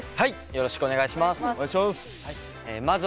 よろしくお願いします。